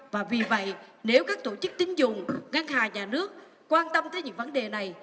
và vì vậy nếu các tổ chức tính dụng ngăn hà nhà nước quan tâm tới những vấn đề này